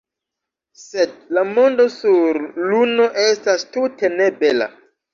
Sed la mondo sur luno estas tute ne bela.